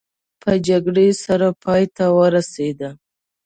په جګړې سره پای ته ورسېده.